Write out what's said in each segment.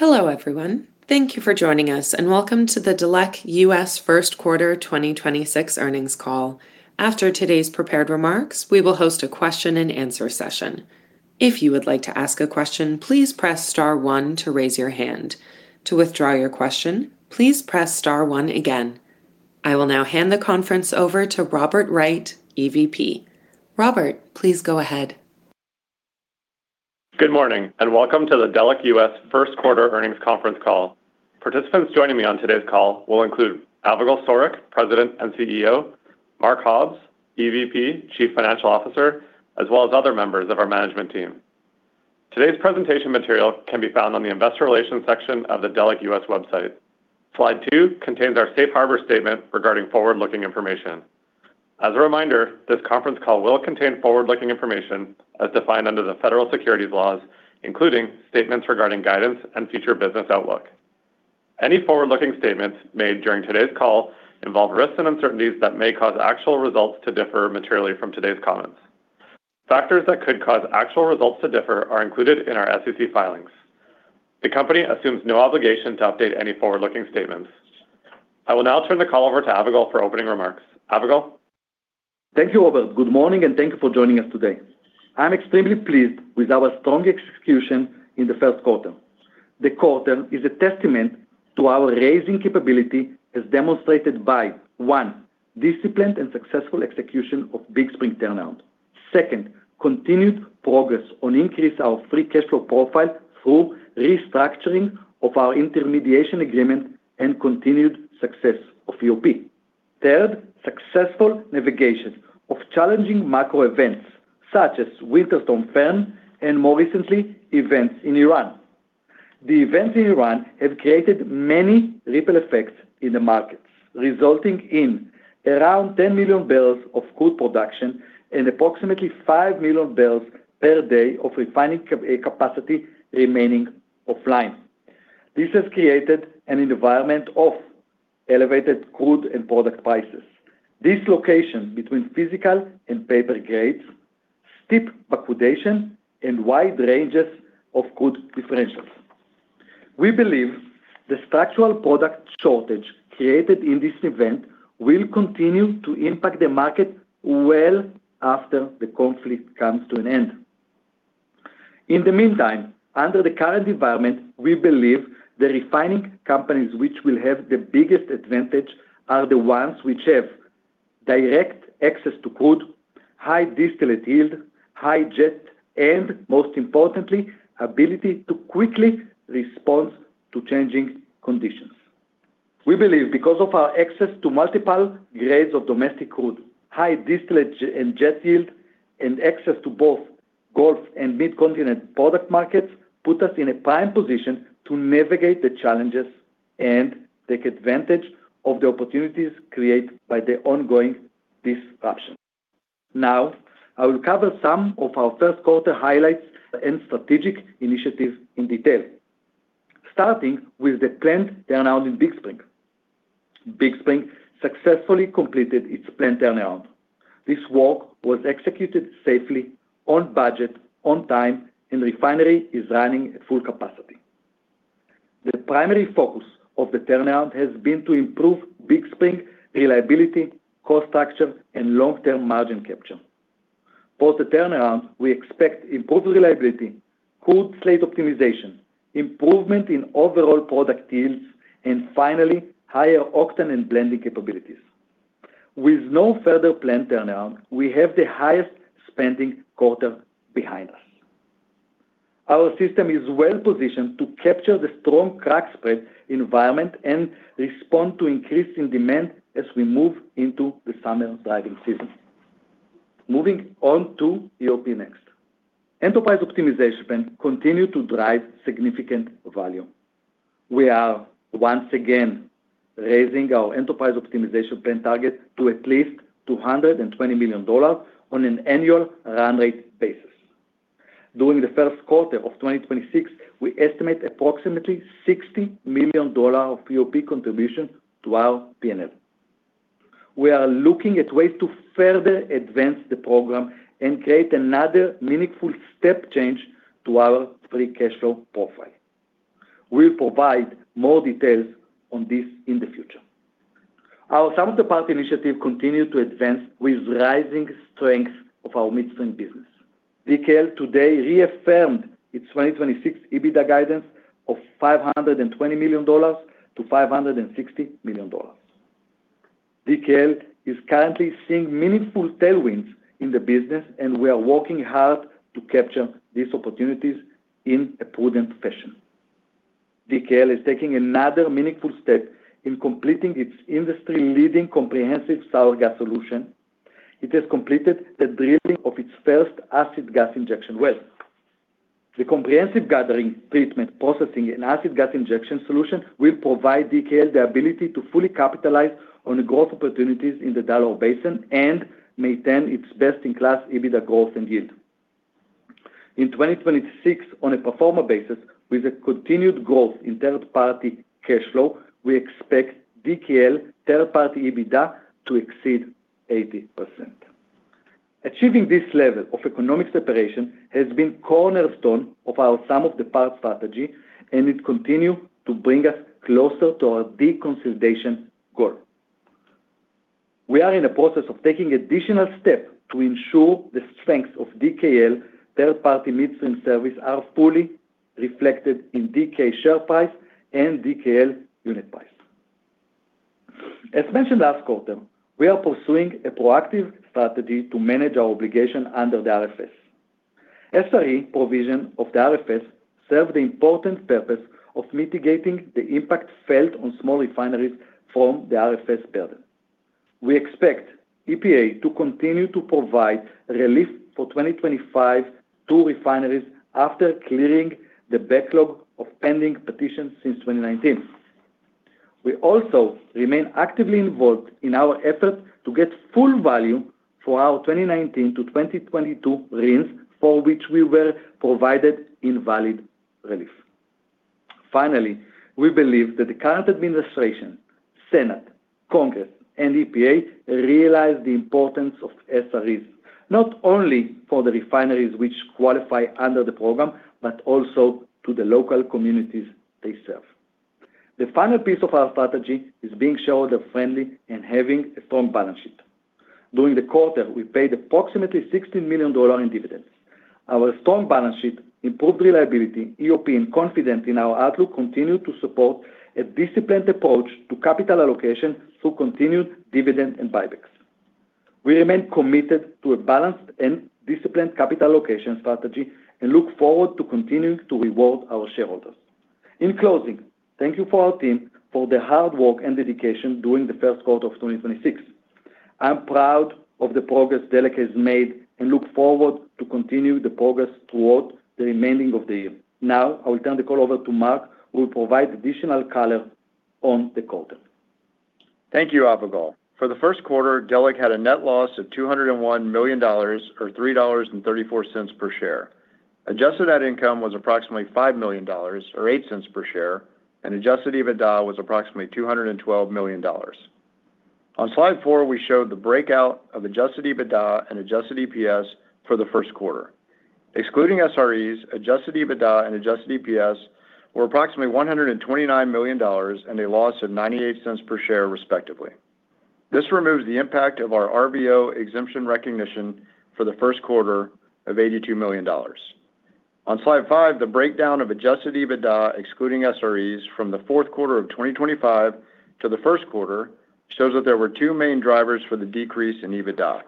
Hello, everyone. Thank you for joining us, and welcome to the Delek US First Quarter 2026 earnings call. After today's prepared remarks, we will host a question and answer session. If you would like to ask a question, please press star one to raise your hand. To withdraw your question, please press star one again. I will now hand the conference over to Robert Wright, EVP. Robert, please go ahead. Good morning, welcome to the Delek US First Quarter Earnings conference call. Participants joining me on today's call will include Avigal Soreq, President and Chief Executive Officer; Mark Hobbs, EVP, Chief Financial Officer; as well as other members of our management team. Today's presentation material can be found on the Investor Relations section of the Delek US website. Slide two contains our safe harbor statement regarding forward-looking information. As a reminder, this conference call will contain forward-looking information as defined under the federal securities laws, including statements regarding guidance and future business outlook. Any forward-looking statements made during today's call involve risks and uncertainties that may cause actual results to differ materially from today's comments. Factors that could cause actual results to differ are included in our SEC filings. The company assumes no obligation to update any forward-looking statements. I will now turn the call over to Avigal for opening remarks. Avigal? Thank you, Robert. Good morning, and thank you for joining us today. I'm extremely pleased with our strong execution in the first quarter. The quarter is a testament to our raising capability as demonstrated by, one, disciplined and successful execution of Big Spring turnaround. Second, continued progress on increase our free cash flow profile through restructuring of our intermediation agreement and continued success of EOP. Third, successful navigation of challenging macro events such as Winter Storm Fern and more recently, events in Iran. The events in Iran have created many ripple effects in the markets, resulting in around 10 million barrels of crude production and approximately 5 million barrels per day of refining capacity remaining offline. This has created an environment of elevated crude and product prices, dislocation between physical and paper grades, steep backwardation, and wide ranges of crude differentials. We believe the structural product shortage created in this event will continue to impact the market well after the conflict comes to an end. In the meantime, under the current environment, we believe the refining companies which will have the biggest advantage are the ones which have direct access to crude, high distillate yield, high jet, and most importantly, ability to quickly respond to changing conditions. We believe because of our access to multiple grades of domestic crude, high distillate and jet yield, and access to both Gulf and Midcontinent product markets put us in a prime position to navigate the challenges and take advantage of the opportunities created by the ongoing disruption. Now, I will cover some of our first quarter highlights and strategic initiatives in detail. Starting with the planned turnaround in Big Spring. Big Spring successfully completed its planned turnaround. This work was executed safely on budget, on time, and refinery is running at full capacity. The primary focus of the turnaround has been to improve Big Spring reliability, cost structure, and long-term margin capture. Post the turnaround, we expect improved reliability, crude slate optimization, improvement in overall product yields, and finally, higher octane and blending capabilities. With no further planned turnaround, we have the highest spending quarter behind us. Our system is well-positioned to capture the strong crack spread environment and respond to increasing demand as we move into the summer driving season. Moving on to EOP next. Enterprise Optimization Plan continue to drive significant value. We are once again raising our Enterprise Optimization Plan target to at least $220 million on an annual run rate basis. During the first quarter of 2026, we estimate approximately $60 million of EOP contribution to our P&L. We are looking at ways to further advance the program and create another meaningful step change to our free cash flow profile. We'll provide more details on this in the future. Our third-party initiative continued to advance with rising strength of our midstream business. DKL today reaffirmed its 2026 EBITDA guidance of $520-560 million. DKL is currently seeing meaningful tailwinds in the business, and we are working hard to capture these opportunities in a prudent fashion. DKL is taking another meaningful step in completing its industry-leading comprehensive sour gas solution. It has completed the drilling of its first acid gas injection well. The comprehensive gathering, treatment, processing, and acid gas injection solution will provide DKL the ability to fully capitalize on the growth opportunities in the Delaware Basin and maintain its best-in-class EBITDA growth and yield. In 2026, on a pro forma basis, with a continued growth in third-party cash flow, we expect DKL third-party EBITDA to exceed 80%. Achieving this level of economic separation has been cornerstone of our sum-of-the-part strategy, and it continue to bring us closer to our de-consolidation goal. We are in the process of taking additional steps to ensure the strength of DKL third-party midstream service are fully reflected in DK share price and DKL unit price. As mentioned last quarter, we are pursuing a proactive strategy to manage our obligation under the RFS. SRE provision of the RFS serve the important purpose of mitigating the impact felt on small refineries from the RFS burden. We expect EPA to continue to provide relief for 2025 to refineries after clearing the backlog of pending petitions since 2019. We also remain actively involved in our effort to get full value for our 2019-2022 RINs for which we were provided invalid relief. We believe that the current administration, Senate, Congress, and EPA realize the importance of SREs, not only for the refineries which qualify under the program, but also to the local communities they serve. The final piece of our strategy is being shareholder-friendly and having a strong balance sheet. During the quarter, we paid approximately $60 million in dividends. Our strong balance sheet, improved reliability, EOP, and confidence in our outlook continue to support a disciplined approach to capital allocation through continued dividend and buybacks. We remain committed to a balanced and disciplined capital allocation strategy and look forward to continuing to reward our shareholders. In closing, thank you for our team for the hard work and dedication during the first quarter of 2026. I'm proud of the progress Delek has made and look forward to continue the progress throughout the remaining of the year. I will turn the call over to Mark, who will provide additional color on the quarter. Thank you, Avigal. For the first quarter, Delek had a net loss of $201 million or $3.34 per share. Adjusted Net Income was approximately $5 million or $0.08 per share, and Adjusted EBITDA was approximately $212 million. On Slide four, we showed the breakout of Adjusted EBITDA and Adjusted EPS for the first quarter. Excluding SREs, Adjusted EBITDA and Adjusted EPS were approximately $129 million and a loss of $0.98 per share, respectively. This removes the impact of our RVO exemption recognition for the first quarter of $82 million. On Slide five, the breakdown of Adjusted EBITDA, excluding SREs, from the fourth quarter of 2025 to the first quarter shows that there were two main drivers for the decrease in EBITDA.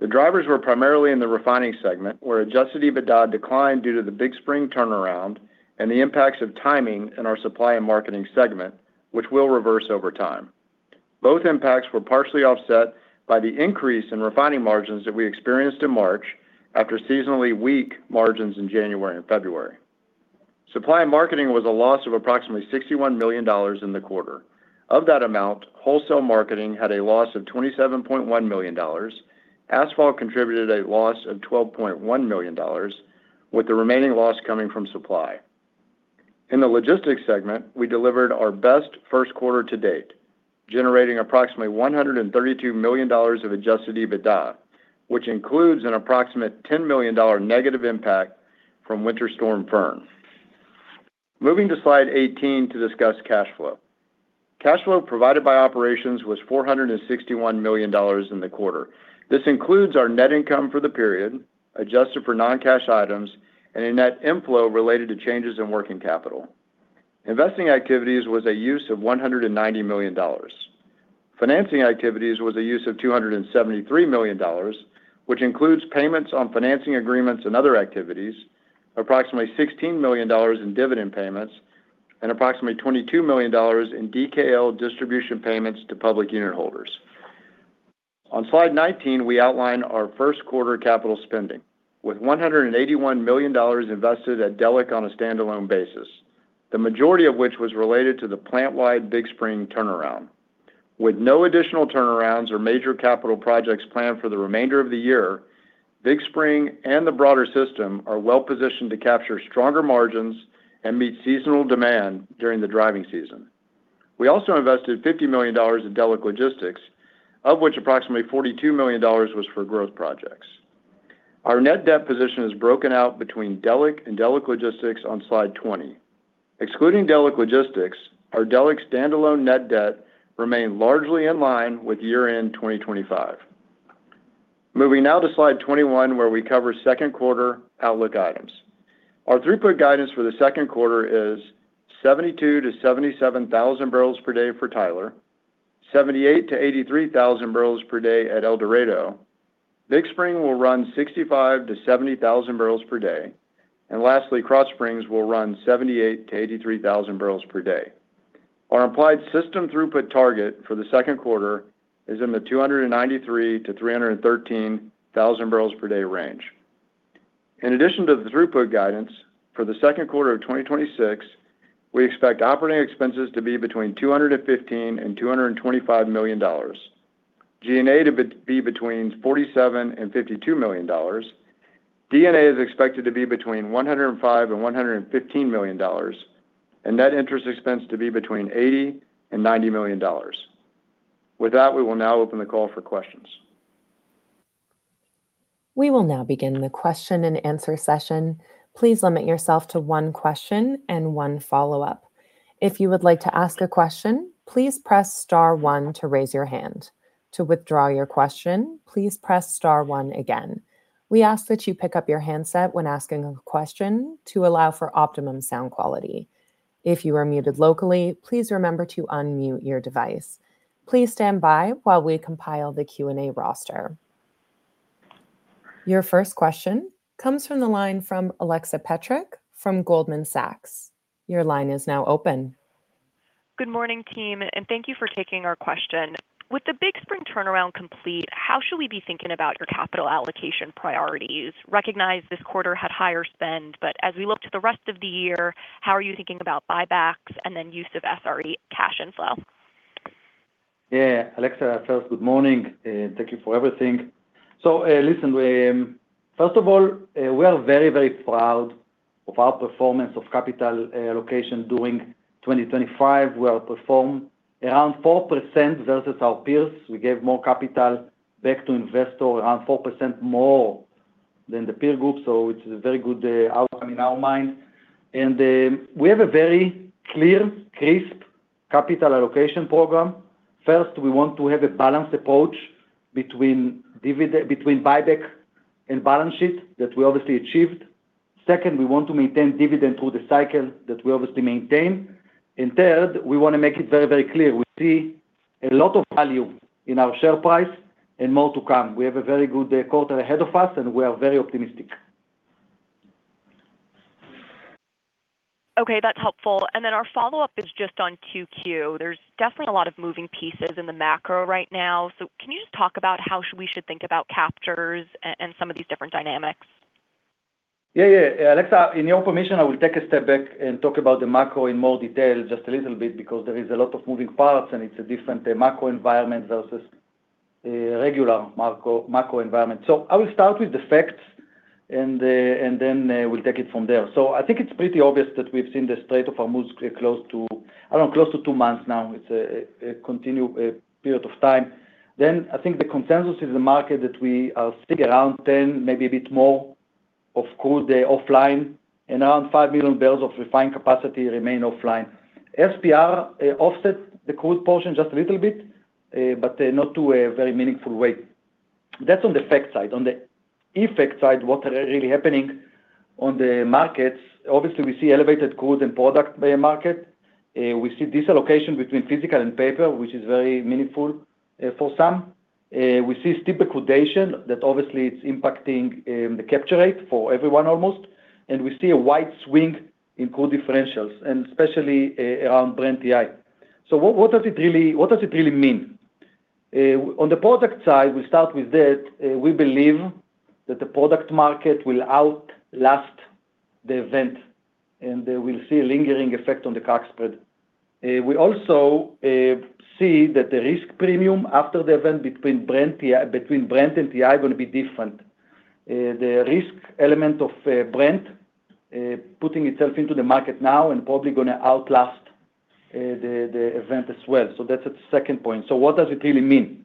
The drivers were primarily in the refining segment, where Adjusted EBITDA declined due to the Big Spring Turnaround and the impacts of timing in our supply and marketing segment, which will reverse over time. Both impacts were partially offset by the increase in refining margins that we experienced in March after seasonally weak margins in January and February. Supply and marketing was a loss of approximately $61 million in the quarter. Of that amount, wholesale marketing had a loss of $27.1 million. Asphalt contributed a loss of $12.1 million, with the remaining loss coming from supply. In the logistics segment, we delivered our best first quarter to date, generating approximately $132 million of Adjusted EBITDA, which includes an approximate $10 million negative impact from Winter Storm Fern. Moving to slide 18 to discuss cash flow. Cash flow provided by operations was $461 million in the quarter. This includes our net income for the period, adjusted for non-cash items, and a net inflow related to changes in working capital. Investing activities was a use of $190 million. Financing activities was a use of $273 million, which includes payments on financing agreements and other activities, approximately $16 million in dividend payments, and approximately $22 million in DKL distribution payments to public unitholders. On slide 19, we outline our first quarter capital spending, with $181 million invested at Delek on a standalone basis, the majority of which was related to the plant-wide Big Spring turnaround. With no additional turnarounds or major capital projects planned for the remainder of the year, Big Spring and the broader system are well-positioned to capture stronger margins and meet seasonal demand during the driving season. We also invested $50 million in Delek Logistics, of which approximately $42 million was for growth projects. Our net debt position is broken out between Delek and Delek Logistics on slide 20. Excluding Delek Logistics, our Delek standalone net debt remained largely in line with year-end 2025. Moving now to slide 21, where we cover second quarter outlook items. Our throughput guidance for the second quarter is 72,000-77,000 barrels per day for Tyler, 78,000-83,000 barrels per day at El Dorado. Big Spring will run 65,000-70,000 barrels per day. Lastly, Krotz Springs will run 78,000-83,000 barrels per day. Our implied system throughput target for the second quarter is in the 293,000-313,000 barrels per day range. In addition to the throughput guidance, for the second quarter of 2026, we expect operating expenses to be between $215 million and $225 million, G&A to be between $47 million and $52 million. D&A is expected to be between $105 million and $115 million, and net interest expense to be between $80 million and $90 million. With that, we will now open the call for questions. Your first question comes from the line from Alexa Petrick from Goldman Sachs. Your line is now open. Good morning, team, and thank you for taking our question. With the Big Spring Turnaround complete, how should we be thinking about your capital allocation priorities? Recognize this quarter had higher spend, but as we look to the rest of the year, how are you thinking about buybacks and then use of SRE cash and flow? Yeah. Alexa Petrick, first, good morning, thank you for everything. listen, we, first of all, we are very, very proud of our performance of capital allocation during 2025. We are performed around 4% versus our peers. We gave more capital back to investor, around 4% more than the peer group. It's a very good outcome in our mind. We have a very clear, crisp capital allocation program. First, we want to have a balanced approach between buyback and balance sheet that we obviously achieved. Second, we want to maintain dividend through the cycle that we obviously maintain. Third, we wanna make it very, very clear we see a lot of value in our share price and more to come. We have a very good quarter ahead of us, and we are very optimistic. Okay, that's helpful. Our follow-up is just on QQ. There's definitely a lot of moving pieces in the macro right now. Can you just talk about how we should think about captures and some of these different dynamics? Yeah, yeah. Alexa, in your permission, I will take a step back and talk about the macro in more detail just a little bit because there is a lot of moving parts, and it's a different macro environment versus regular macro environment. I will start with the facts and then we'll take it from there. I think it's pretty obvious that we've seen the state of our moves close to, I don't know, close to two months now. It's a continued period of time. I think the consensus in the market that we stick around 10, maybe a bit more of crude offline and around 5 million barrels of refined capacity remain offline. SPR offset the crude portion just a little bit, but not to a very meaningful way. That's on the fact side. On the effect side, obviously we see elevated crude and product by market. We see this allocation between physical and paper, which is very meaningful for some. We see steep backwardation that obviously it's impacting the capture rate for everyone almost. We see a wide swing in crude differentials, and especially around Brent WTI. What does it really mean? On the product side, we start with that, we believe that the product market will outlast the event, we'll see a lingering effect on the crack spread. We also see that the risk premium after the event between Brent and WTI gonna be different. The risk element of Brent putting itself into the market now and probably gonna outlast the event as well. That's a second point. What does it really mean?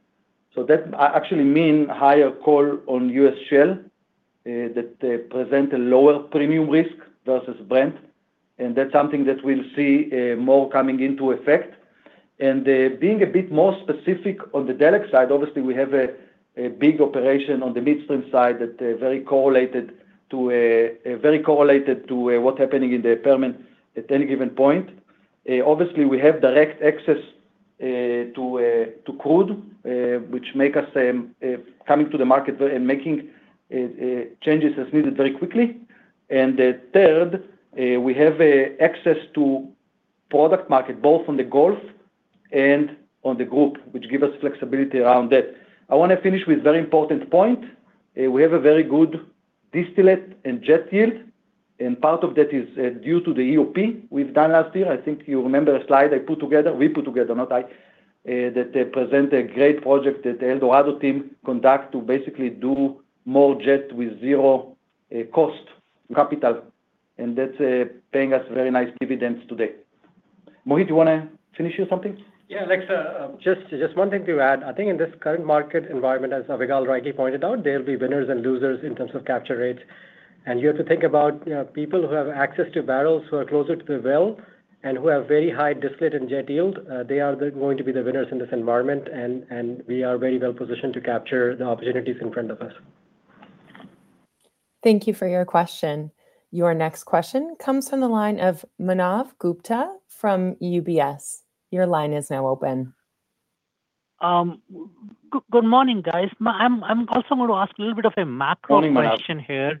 That actually mean higher call on U.S. Shell that present a lower premium risk versus Brent, and that's something that we'll see more coming into effect. Being a bit more specific on the Delek side, obviously, we have a big operation on the midstream side that very correlated to what's happening in the impairment at any given point. Obviously, we have direct access to crude, which make us coming to the market and making changes as needed very quickly. Then third, we have access to product market both on the Gulf and on the group, which give us flexibility around that. I want to finish with very important point. We have a very good distillate and jet yield, Part of that is due to the EOP we've done last year. I think you remember a slide I put together. We put together, not I. That present a great project that the El Dorado team conduct to basically do more jet with zero cost capital, That's paying us very nice dividends today. Mohit, you want to finish here something? Yeah, Alexa, just one thing to add. I think in this current market environment, as Avigal rightly pointed out, there'll be winners and losers in terms of capture rates. You have to think about, you know, people who have access to barrels who are closer to the well and who have very high distillate and jet yield. They are going to be the winners in this environment, and we are very well positioned to capture the opportunities in front of us. Thank you for your question. Your next question comes from the line of Manav Gupta from UBS. Your line is now open. Good morning, guys. I'm also gonna ask a little bit of a macro question here. Morning,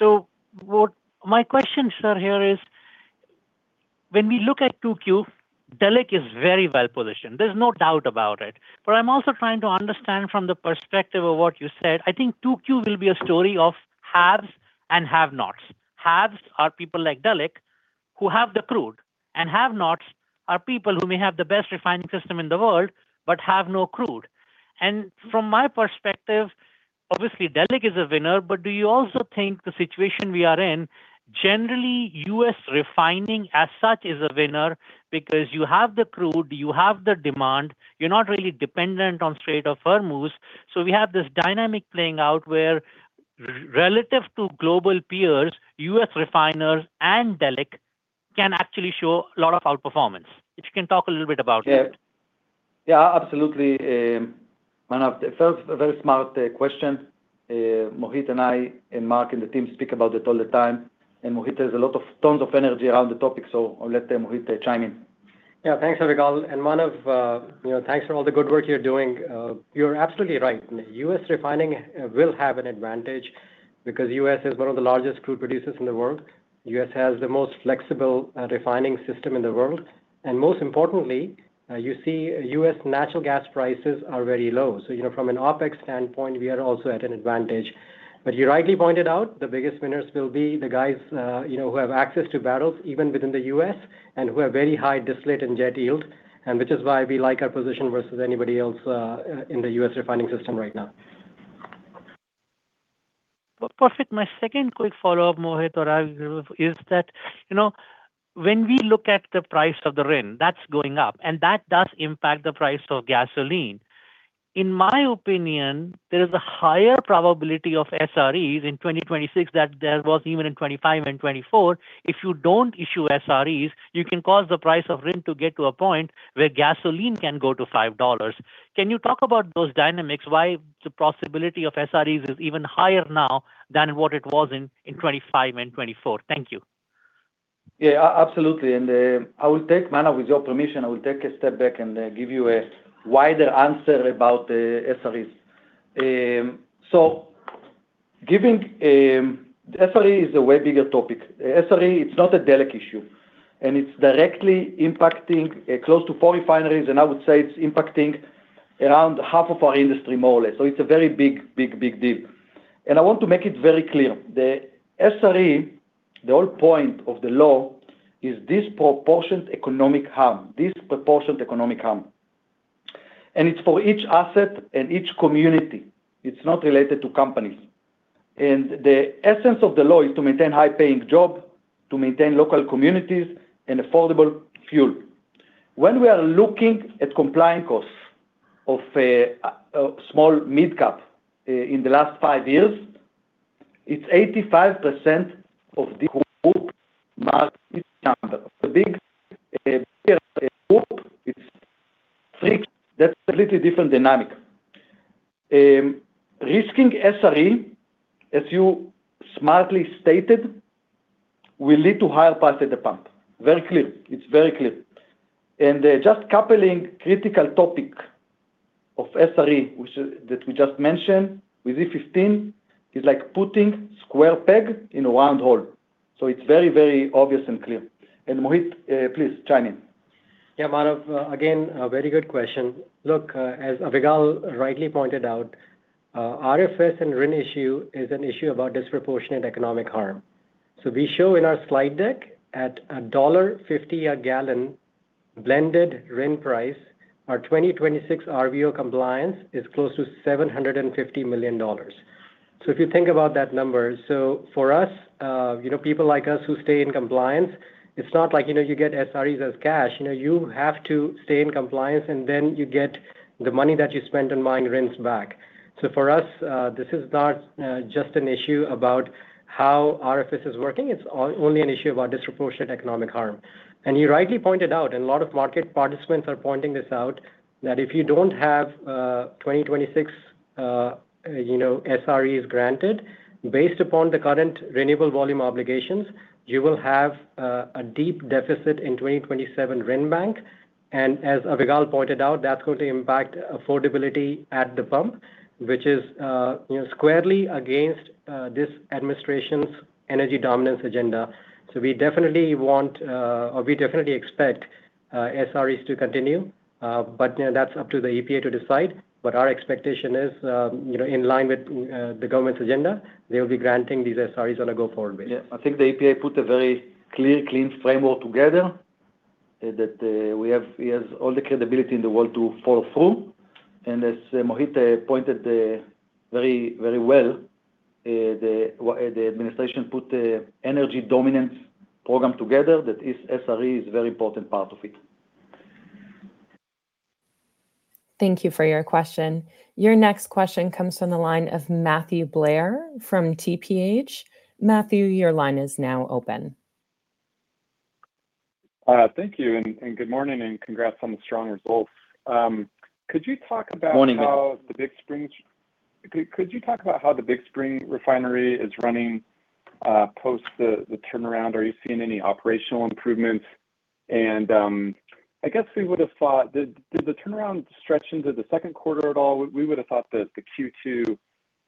Manav. What my question, sir, here is, when we look at two Q, Delek is very well-positioned. There's no doubt about it. I'm also trying to understand from the perspective of what you said. I think two Q will be a story of haves and have-nots. Haves are people like Delek who have the crude and have-nots are people who may have the best refining system in the world, but have no crude. From my perspective, obviously Delek is a winner, but do you also think the situation we are in, generally U.S. refining as such is a winner because you have the crude, you have the demand, you're not really dependent on straight or firm moves. We have this dynamic playing out where relative to global peers, U.S. refiners and Delek can actually show a lot of out-performance. If you can talk a little bit about it. Yeah. Yeah, absolutely, Manav. A very, very smart question. Mohit and I, and Mark, and the team speak about it all the time. Mohit has a lot of tones of energy around the topic, so I'll let Mohit chime in. Yeah. Thanks, Avigal. Manav, you know, thanks for all the good work you're doing. You're absolutely right. U.S. refining will have an advantage because U.S. is one of the largest crude producers in the world. U.S. has the most flexible refining system in the world. Most importantly, you see U.S. natural gas prices are very low. You know, from an OPEX standpoint, we are also at an advantage. You rightly pointed out the biggest winners will be the guys, you know, who have access to barrels, even within the U.S., and who have very high distillate and jet yield, which is why we like our position versus anybody else in the U.S. refining system right now. Well, perfect. My second quick follow-up, Mohit or Avigal, is that, you know, when we look at the price of the RIN, that's going up, and that does impact the price of gasoline. In my opinion, there is a higher probability of SREs in 2026 than there was even in 2025 and 2024. If you don't issue SREs, you can cause the price of RIN to get to a point where gasoline can go to $5. Can you talk about those dynamics, why the possibility of SREs is even higher now than what it was in 2025 and 2024? Thank you. Yeah, absolutely. Manav, with your permission, I will take a step back and give you a wider answer about the SREs. SRE is a way bigger topic. SRE, it's not a Delek issue, and it's directly impacting close to four refineries, and I would say it's impacting around half of our industry more or less. It's a very big, big, big deal. I want to make it very clear, the SRE, the whole point of the law is disproportionate economic harm. Disproportionate economic harm. It's for each asset and each community. It's not related to companies. The essence of the law is to maintain high-paying job, to maintain local communities and affordable fuel. When we are looking at compliance costs of a small midcap in the last five years, it's 85% of the whole market number. The big hope is freaks. That's a little different dynamic. Risking SRE, as you smartly stated, will lead to higher price at the pump. Very clear. It's very clear. Just coupling critical topic of SRE, which is that we just mentioned with E15, is like putting square peg in a round hole. It's very, very obvious and clear. Mohit, please chime in. Yeah, Manav. Again, a very good question. Look, as Avigal rightly pointed out, RFS and RIN issue is an issue about disproportionate economic harm. We show in our slide deck at a $1.50 a gallon blended RIN price, our 2026 RVO compliance is close to $750 million. If you think about that number, for us, you know, people like us who stay in compliance, it's not like, you know, you get SREs as cash. You know, you have to stay in compliance, you get the money that you spent on buying RINs back. For us, this is not just an issue about how RFS is working. It's only an issue about disproportionate economic harm. You rightly pointed out, and a lot of market participants are pointing this out, that if you don't have 2026, you know, SREs granted based upon the current Renewable Volume Obligations, you will have a deep deficit in 2027 RIN bank. As Avigal Soreq pointed out, that's going to impact affordability at the pump, which is, you know, squarely against this administration's energy dominance agenda. We definitely want, or we definitely expect SREs to continue. You know, that's up to the EPA to decide. Our expectation is, you know, in line with the government's agenda, they will be granting these SREs on a go-forward basis. Yeah. I think the EPA put a very clear, clean framework together, that it has all the credibility in the world to follow through. As Mohit pointed very, very well, the administration put a energy dominance program together, that this SRE is a very important part of it. Thank you for your question. Your next question comes from the line of Matthew Blair from TPH. Matthew, your line is now open. Thank you, and good morning, and congrats on the strong results. Could you talk about? Morning Could you talk about how the Big Spring refinery is running post the turnaround? Are you seeing any operational improvements? I guess we would have thought. Did the turnaround stretch into the second quarter at all? We would have thought that the Q2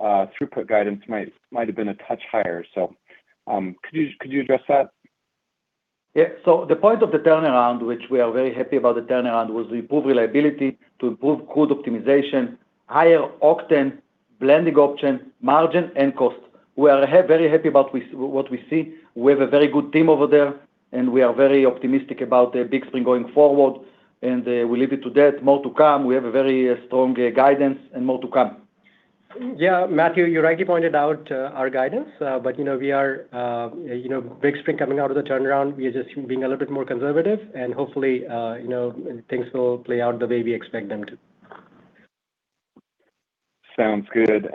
throughput guidance might have been a touch higher. Could you address that? Yeah. The point of the turnaround, which we are very happy about the turnaround, was to improve reliability, to improve crude optimization, higher octane blending option, margin and cost. We are very happy about what we see. We have a very good team over there, and we are very optimistic about Big Spring going forward. We leave it to that. More to come. We have a very strong guidance and more to come. Yeah, Matthew, you rightly pointed out our guidance. You know, we are, you know, Big Spring coming out of the turnaround, we are just being a little bit more conservative. Hopefully, you know, things will play out the way we expect them to. Sounds good.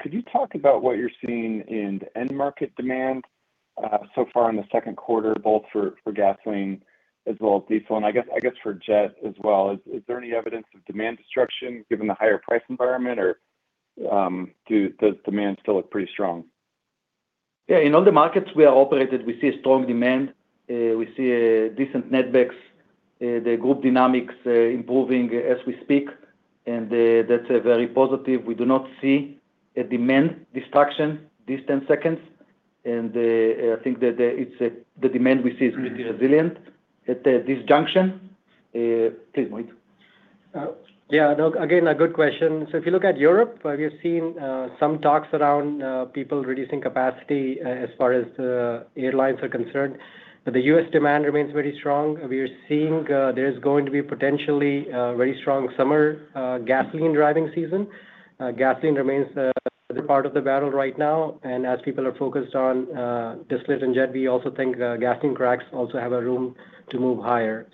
Could you talk about what you're seeing in end market demand so far in the second quarter, both for gasoline as well as diesel, and I guess for jet as well? Is there any evidence of demand destruction given the higher price environment? Does demand still look pretty strong? Yeah. In all the markets we operate, we see strong demand. We see a decent net backs. The group dynamics improving as we speak, that's a very positive. We do not see a demand destruction this ten seconds. I think that the demand we see is pretty resilient at this junction. Please, Mohit. Yeah, no, again, a good question. If you look at Europe, we have seen some talks around people reducing capacity as far as the airlines are concerned. The U.S. demand remains very strong. We are seeing there's going to be potentially a very strong summer gasoline driving season. Gasoline remains the part of the battle right now. As people are focused on distillate and jet, we also think gasoline cracks also have a room to move higher.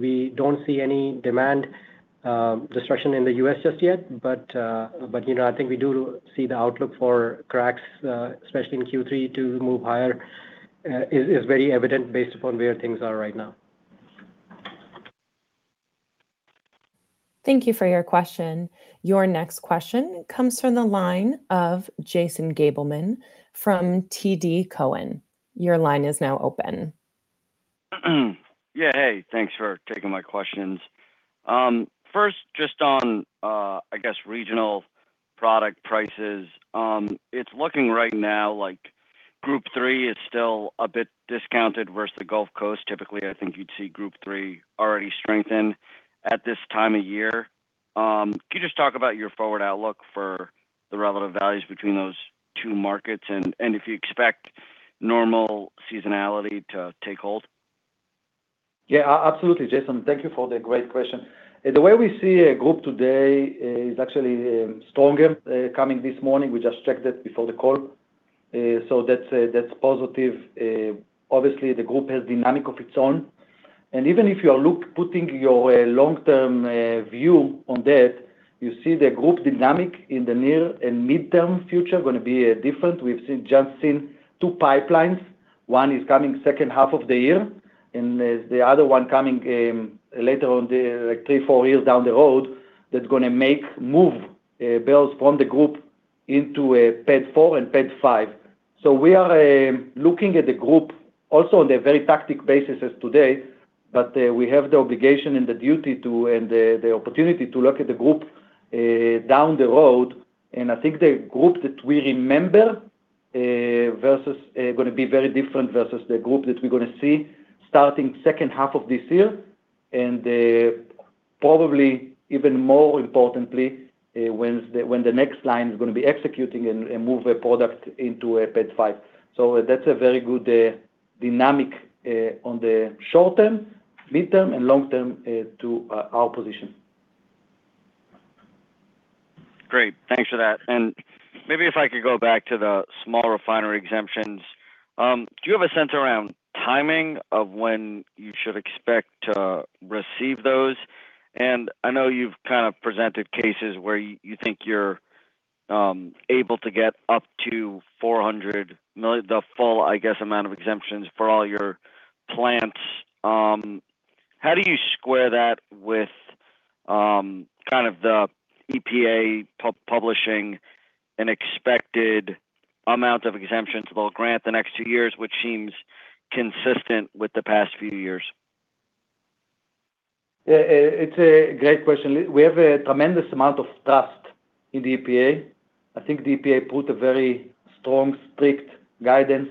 We don't see any demand destruction in the U.S. just yet. You know, I think we do see the outlook for cracks, especially in Q3, to move higher, is very evident based upon where things are right now. Thank you for your question. Your next question comes from the line of Jason Gabelman from TD Cowen. Hey, thanks for taking my questions. First, just on, I guess, regional product prices. It's looking right now like Group Three is still a bit discounted versus the Gulf Coast. Typically, I think you'd see Group Three already strengthen at this time of year. Can you just talk about your forward outlook for the relative values between those two markets and if you expect normal seasonality to take hold? Absolutely, Jason. Thank you for the great question. The way we see a group today is actually stronger coming this morning. We just checked it before the call. That's positive. Obviously, the group has dynamic of its own. Even if you are putting your long-term view on that, you see the group dynamic in the near and midterm future gonna be different. We've just seen two pipelines. One is coming second half of the year, and the other one coming, like, three, four years down the road, that's gonna make move barrels from the group into PADD 4 and PADD 5. We are looking at the group also on a very tactical basis as today, but we have the obligation and the duty to and the opportunity to look at the group down the road. I think the group that we remember versus gonna be very different versus the group that we're gonna see starting second half of this year. Probably even more importantly, when the next line is gonna be executing and move a product into a PADD 5. That's a very good dynamic on the short term, midterm, and long term to our position. Great. Thanks for that. Maybe if I could go back to the Small Refinery Exemptions. Do you have a sense around timing of when you should expect to receive those? I know you've kind of presented cases where you think you're able to get up to $400 million, the full, I guess, amount of exemptions for all your plants. How do you square that with kind of the EPA publishing an expected amount of exemptions they'll grant the next two years, which seems consistent with the past few years? It's a great question. We have a tremendous amount of trust in the EPA. I think the EPA put a very strong, strict guidance.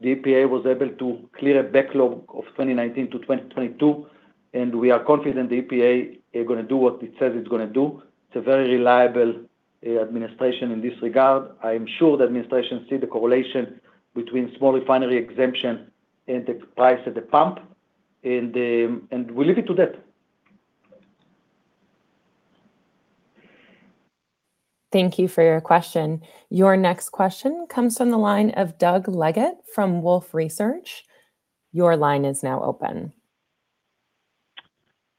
The EPA was able to clear a backlog of 2019-2022, and we are confident the EPA are gonna do what it says it's gonna do. It's a very reliable administration in this regard. I am sure the administration see the correlation between Small Refinery Exemption and the price at the pump, and we leave it to that. Thank you for your question. Your next question comes from the line of Doug Leggate from Wolfe Research. Your line is now open.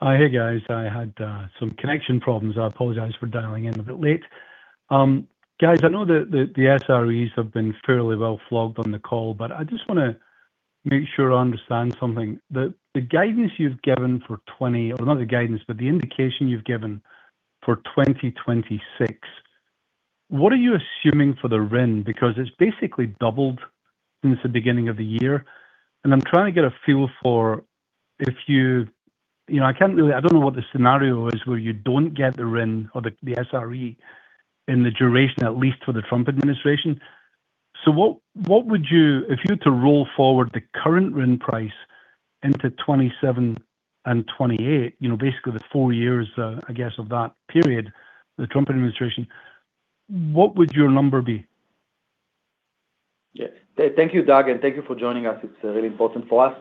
Hey, guys. I had some connection problems. I apologize for dialing in a bit late. Guys, I know the SREs have been fairly well flogged on the call, but I just want to make sure I understand something. The guidance you've given for not the guidance, but the indication you've given for 2026, what are you assuming for the RIN? It's basically doubled since the beginning of the year, and I'm trying to get a feel for if you... You know, I don't know what the scenario is where you don't get the RIN or the SRE in the duration, at least for the Trump administration. What, if you were to roll forward the current RIN price into 2027 and 2028, you know, basically the four years, I guess of that period, the Trump administration, what would your number be? Yeah. Thank you, Doug, and thank you for joining us. It's really important for us.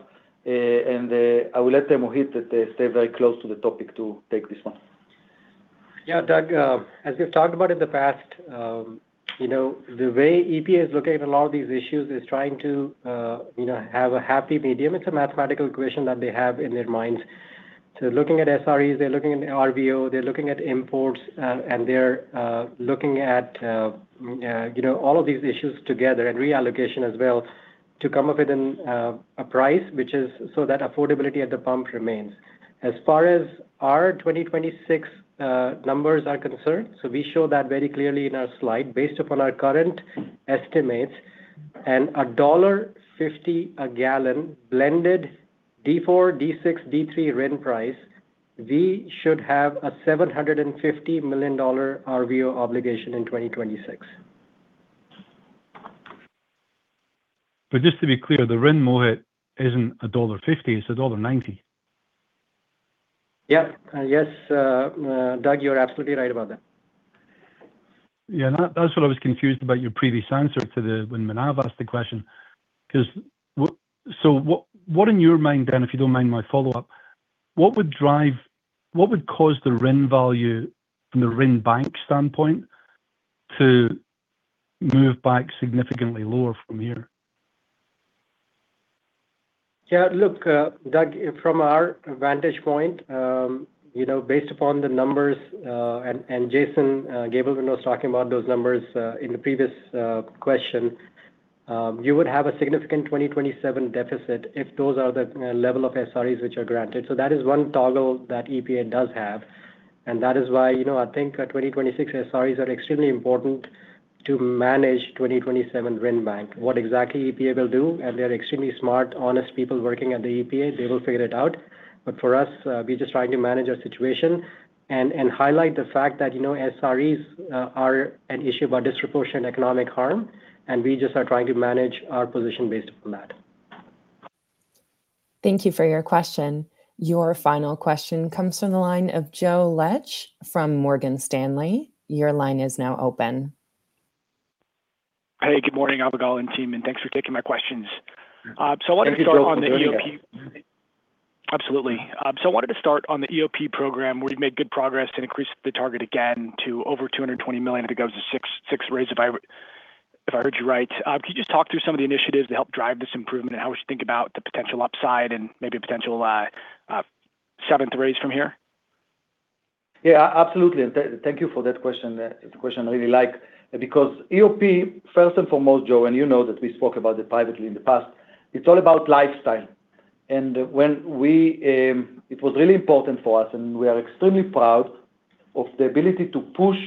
I will let the Mohit that stay very close to the topic to take this one. Doug, as we've talked about in the past, you know, the way EPA is looking at a lot of these issues is trying to have a happy medium. It's a mathematical equation that they have in their minds. Looking at SREs, they're looking at RVO, they're looking at imports, and they're looking at you know, all of these issues together and reallocation as well to come up with a price which is so that affordability at the pump remains. As far as our 2026 numbers are concerned, we show that very clearly in our slide based upon our current estimates and a $1.50 a gallon blended D4, D6, D3 RIN price, we should have a $750 million RVO obligation in 2026. Just to be clear, the RIN, Mohit, isn't $1.50, it's $1.90. Yeah. Yes, Doug, you're absolutely right about that. Yeah, that's what I was confused about your previous answer to the when Manav asked the question 'cause what in your mind then, if you don't mind my follow-up, what would drive what would cause the RIN value from the RIN bank standpoint to move back significantly lower from here? Yeah, look, Doug, from our vantage point, you know, based upon the numbers, and Jason Gabelman was talking about those numbers in the previous question, you would have a significant 2027 deficit if those are the level of SREs which are granted. That is one toggle that EPA does have, and that is why, you know, I think our 2026 SREs are extremely important to manage 2027 RIN bank. What exactly EPA will do, and they're extremely smart, honest people working at the EPA, they will figure it out. For us, we're just trying to manage our situation and highlight the fact that, you know, SREs, are an issue about disproportionate economic harm, and we just are trying to manage our position based upon that. Thank you for your question. Your final question comes from the line of Joe Laetsch from Morgan Stanley. Your line is now open. Hey, good morning, Avigal Soreq and team, and thanks for taking my questions. I wanted to start on the EOP. Thank you, Joe, for doing this. Absolutely. I wanted to start on the EOP program where you've made good progress to increase the target again to over $220 million. I think it was the sixth raise if I heard you right. Could you just talk through some of the initiatives that help drive this improvement and how we should think about the potential upside and maybe potential seventh raise from here? Yeah, absolutely. Thank you for that question. It's a question I really like because EOP, first and foremost, Joe, and you know that we spoke about it privately in the past, it's all about lifestyle. When we, it was really important for us, and we are extremely proud of the ability to push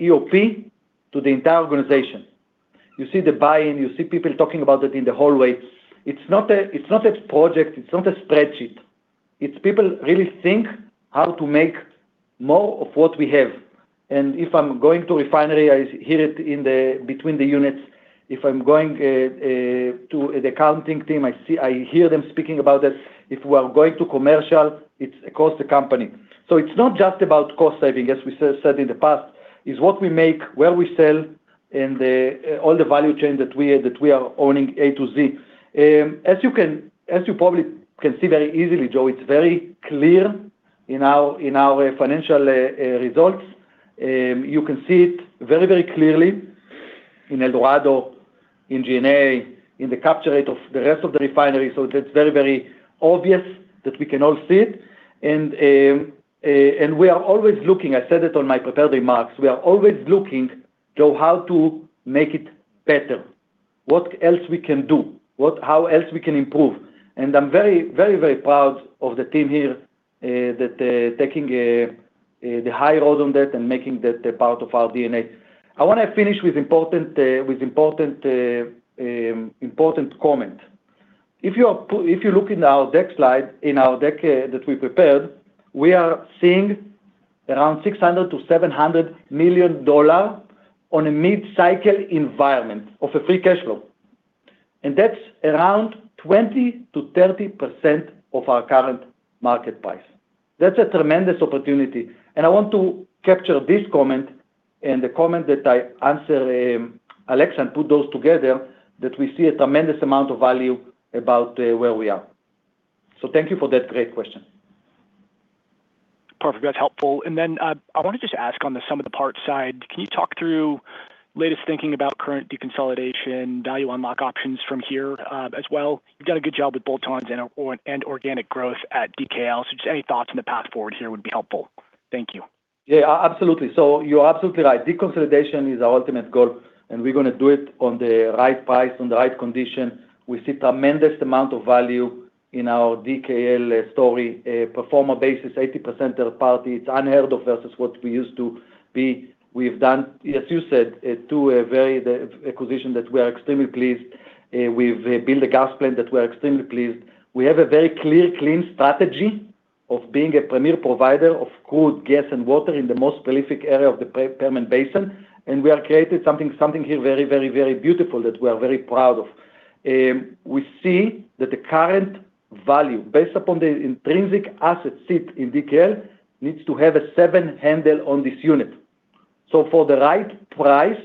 EOP to the entire organization. You see the buy-in, you see people talking about it in the hallways. It's not a project, it's not a spreadsheet. It's people really think how to make more of what we have. If I'm going to refinery, I hear it between the units. If I'm going to the accounting team, I hear them speaking about this. If we are going to commercial, it's across the company. It's not just about cost saving, as we said in the past. It's what we make, where we sell, and all the value chain that we are owning A to Z. As you probably can see very easily, Joe, it's very clear in our financial results. You can see it very clearly in El Dorado, in G&A, in the capture rate of the rest of the refinery. That's very obvious that we can all see it. We are always looking, I said it on my prepared remarks, we are always looking, Joe, how to make it better, what else we can do, how else we can improve. I'm very proud of the team here that taking the high road on that and making that a part of our DNA. I want to finish with important comment. If you look in our deck slide, in our deck that we prepared, we are seeing around $600-700 million on a mid-cycle environment of a free cash flow. That's around 20%-30% of our current market price. That's a tremendous opportunity. I want to capture this comment and the comment that I answer, Alexa Petrick, and put those together, that we see a tremendous amount of value about where we are. Thank you for that great question. Perfect. That's helpful. I wanna just ask on the sum of the parts side, can you talk through latest thinking about current deconsolidation, value unlock options from here, as well? You've done a good job with bolt-ons and organic growth at DKL. Just any thoughts on the path forward here would be helpful. Thank you. Absolutely. You're absolutely right. Deconsolidation is our ultimate goal, and we're gonna do it on the right price, on the right condition. We see tremendous amount of value in our DKL story, performer basis, 80% of parity. It's unheard of versus what we used to be. We've done, as you said, the acquisition that we are extremely pleased. We've built a gas plant that we are extremely pleased. We have a very clear, clean strategy of being a premier provider of crude gas and water in the most prolific area of the Permian Basin, and we have created something here very beautiful that we are very proud of. We see that the current value based upon the intrinsic asset base in DKL needs to have a seven handle on this unit. For the right price,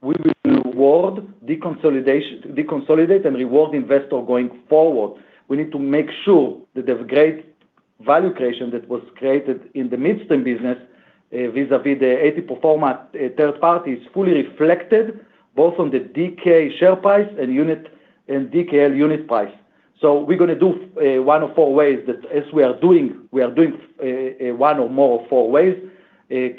we will deconsolidate and reward investors going forward. We need to make sure that the great value creation that was created in the Midstream business, vis-a-vis the EBITDA performance, third party is fully reflected both on the DK share price and DKL unit price. We're gonna do one or more of four ways that we are doing.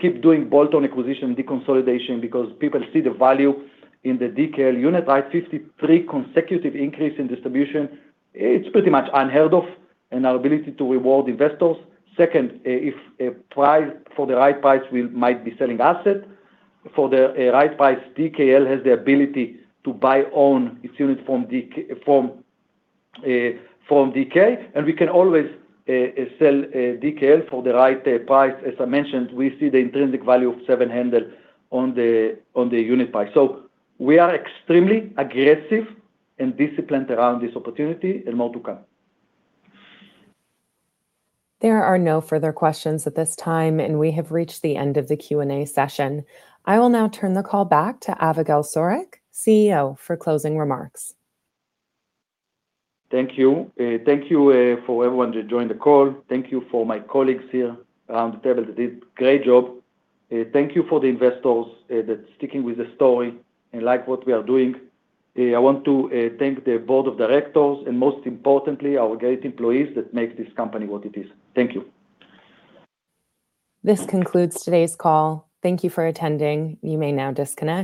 Keep doing bolt-on acquisition deconsolidation because people see the value in the DKL unit price. Fifty-three consecutive increases in distribution, it's pretty much unheard of in our ability to reward investors. Second, for the right price, we might be selling assets. For the right price, DKL has the ability to buy own its unit from DK, and we can always sell DKL for the right price. As I mentioned, we see the intrinsic value of seven handle on the unit price. We are extremely aggressive and disciplined around this opportunity and more to come. There are no further questions at this time. We have reached the end of the Q&A session. I will now turn the call back to Avigal Soreq, CEO, for closing remarks. Thank you. Thank you for everyone to join the call. Thank you for my colleagues here around the table that did great job. Thank you for the investors that sticking with the story and like what we are doing. I want to thank the board of directors and most importantly, our great employees that make this company what it is. Thank you. This concludes today's call. Thank you for attending. You may now disconnect.